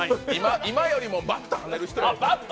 今よりもバッと跳ねる人。